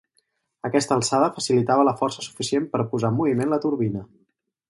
Aquesta alçada facilitava la força suficient per posar en moviment la turbina.